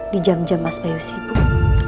di jam jam mas bayu sibuk